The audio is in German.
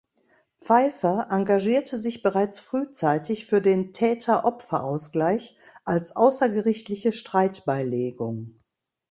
Pfeiffer engagierte sich bereits frühzeitig für den Täter-Opfer-Ausgleich als außergerichtliche Streitbeilegung.